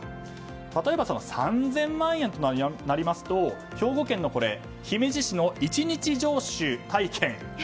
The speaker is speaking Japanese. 例えば３０００万円となりますと兵庫県の姫路市の１日城主体験。